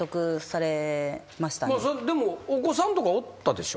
でもお子さんとかおったでしょ？